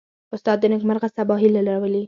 استاد د نیکمرغه سبا هیله راولي.